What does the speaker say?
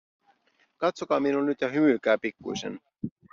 Katsokaa minuun nyt ja hymyilkää pikkuisen.